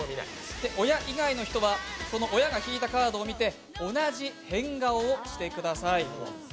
親以外の人は、その親が引いたカードを見て、同じ変顔をしてください。